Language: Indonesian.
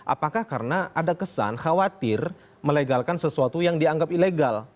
apakah karena ada kesan khawatir melegalkan sesuatu yang dianggap ilegal